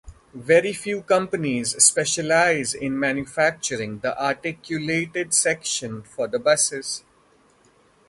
Very few companies specialise in manufacturing the articulated section for the buses.